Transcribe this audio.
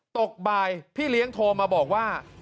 ตกบ่ายพี่เลี้ยงโทรมาบอกว่า